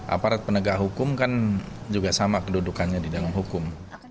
aparat penegak hukum kan juga sama kedudukannya di dalam hukum